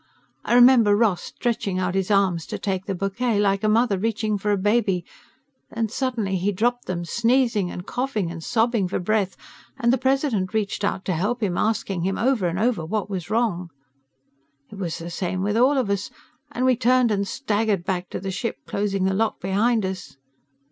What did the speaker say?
I remember Ross stretching out his arms to take the bouquet, like a mother reaching for a baby. Then suddenly he dropped them, sneezing and coughing and sobbing for breath, and the President reached out to help him, asking him over and over what was wrong. "It was the same with all of us, and we turned and staggered back to the ship, closing the lock behind us.